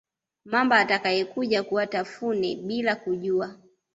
mamba atayekuja kuwatafune bila kujua